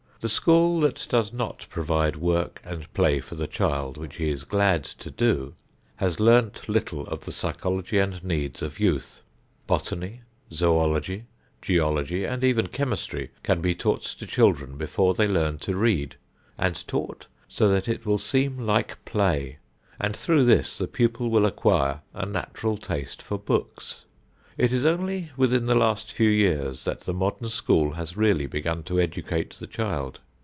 The school that does not provide work and play for the child which he is glad to do, has learned little of the psychology and needs of youth. Botany, Zoölogy, Geology and even Chemistry can be taught to children before they learn to read, and taught so that it will seem like play, and through this the pupil will acquire a natural taste for books. It is only within the last few years that the modern school has really begun to educate the child.